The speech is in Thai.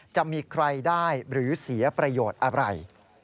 จะมีใครได้หรือเสียประโยชน์อะไร